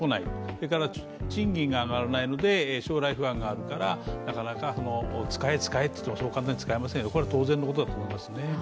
それから賃金が上がらないので将来不安があるからなかなか使え使えといってもそう簡単に使えません、これは当然のことだと思いますね。